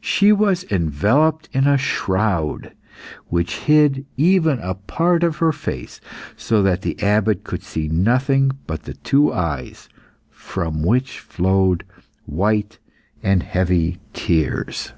She was enveloped in a shroud, which hid even a part of her face, so that the Abbot could see nothing but the two eyes, from which flowed white and heavy tears.